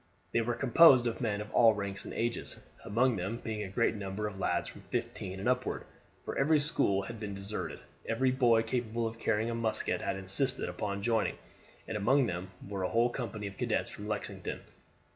They were composed of men of all ranks and ages, among them being a great number of lads from fifteen and upward; for every school had been deserted. Every boy capable of carrying a musket had insisted upon joining, and among them were a whole company of cadets from Lexington.